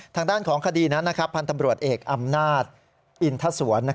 ทางด้านของคดีนั้นพันธ์ตำรวจเอกอำนาจอินทสวน